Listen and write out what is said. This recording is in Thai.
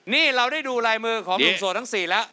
นี่เราได้ดูลายมือของหนุ่มโสดทั้ง๔แล้ว